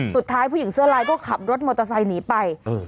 สุดท้ายผู้หญิงเสื้อลายก็ขับรถมอเตอร์ไซน์หนีไปเออ